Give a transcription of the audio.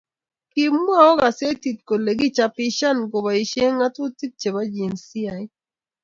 Kimwou kasetii kole kichapishan koboishe ngatutik che bo jinsiait,